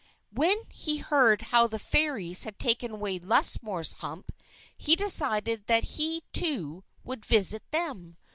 When he heard how the Fairies had taken away Lusmore's hump, he decided that he, too, would visit them.